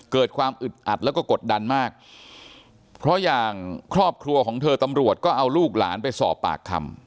เกิดความอึดอัดแล้วก็กดดันมากเพราะอย่างครอบครัวของเธอตำรวจก็เอาลูกหลานไปสอบปากคำ